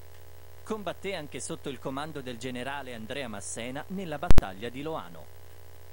Combatté anche sotto il comando del generale Andrea Massena nella battaglia di Loano.